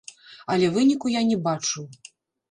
Але выніку я не бачыў.